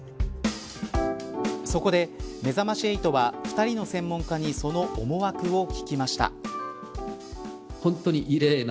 そこで、めざまし８は２人の専門家にその思惑を聞きました。